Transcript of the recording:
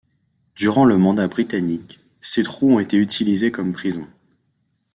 Durant le mandat britannique, ces trous ont été utilisés comme prisons.